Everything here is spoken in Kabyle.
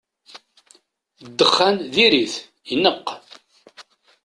Ddexxan diri-t, ineqq.